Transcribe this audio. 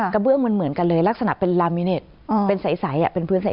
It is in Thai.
กระเบื้องเหมือนกันเลยลักษณะเป็นลามิเนตเป็นภูนิใส